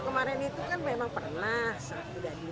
kalau kemarin itu kan memang pernah satu dua diri